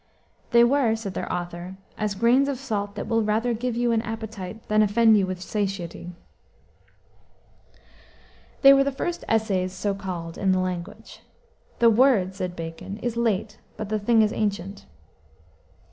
They were, said their author, "as grains of salt that will rather give you an appetite than offend you with satiety." They were the first essays so called in the language. "The word," said Bacon, "is late, but the thing is ancient."